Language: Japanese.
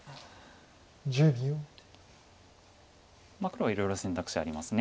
黒はいろいろ選択肢あります。